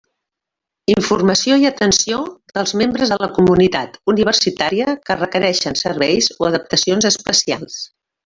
Informació i atenció dels membres de la comunitat universitària que requereixen serveis o adaptacions especials.